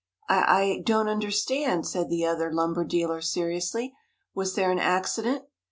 "I I don't understand," said the other lumber dealer, seriously. "Was there an accident?"